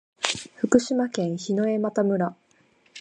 福島県檜枝岐村